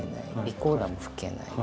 リコーダーも吹けない。